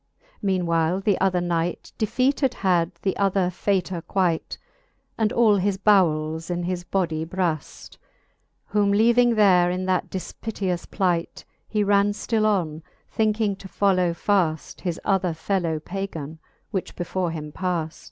Meane while the other knight Defeated had the other faytour quight. And all his bowels in his body braft: Whom leaving there in that difpiteous plight, He ran ftill on, thinking to follow faft His othsr fellow Pagan, which before him paft.